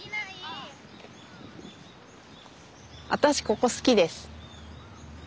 ここ好きです。